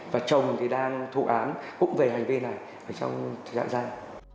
và chồng thì đang thụ án cũng về hành vi này trong thời gian